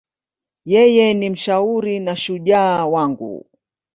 Yeye ni mshauri na shujaa wangu.